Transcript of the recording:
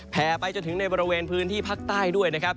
ไปจนถึงในบริเวณพื้นที่ภาคใต้ด้วยนะครับ